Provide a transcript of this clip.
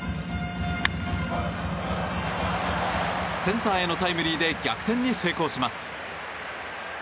センターへのタイムリーで逆転に成功します。